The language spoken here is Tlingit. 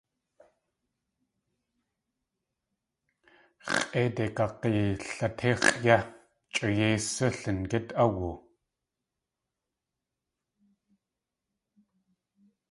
X̲ʼéidei kakg̲ilatix̲ʼ yé chʼa yeisú lingít áwu.